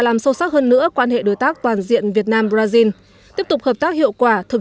làm sâu sắc hơn nữa quan hệ đối tác toàn diện việt nam brazil tiếp tục hợp tác hiệu quả thực